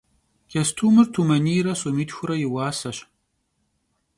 Ç'estumır tumeniyre somitxure yi vuaseş.